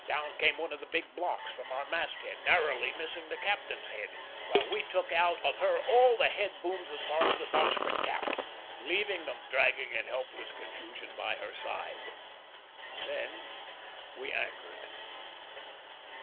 Down came one of the big blocks from our mast head, narrowly missing the captain's head, while we took out of her all the head booms as far as the bowsprit cap, leaving them dragging in helpless confusion by her side. Then we anchored.